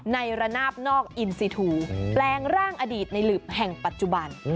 ระนาบนอกอินซีทูแปลงร่างอดีตในหลืบแห่งปัจจุบัน